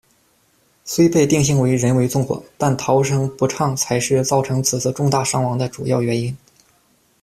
虽被定性为人为纵火，但逃生不畅才是造成此次重大伤亡的主要原因。